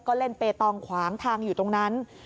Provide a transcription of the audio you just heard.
ก็เล่นเปตองขวางทางอยู่ตรงนั้น